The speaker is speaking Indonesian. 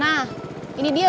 nah ini dia